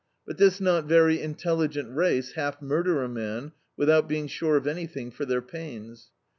But this not very intelligent race half murder a man without being sure of anything for their pains.